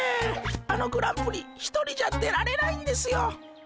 あのグランプリ一人じゃ出られないんですよ。